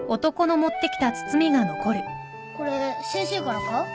これ先生からか？